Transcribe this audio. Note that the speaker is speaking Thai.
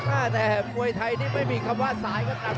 อ่าแต่มวยไทยนี่ไม่มีคำว่าสายครับ